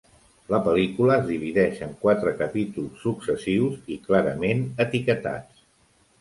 La pel·lícula es divideix en quatre capítols successius i clarament etiquetats.